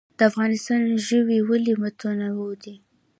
د افغانستان ژوي ولې متنوع دي؟